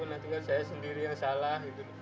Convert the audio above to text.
nanti kan saya sendiri yang salah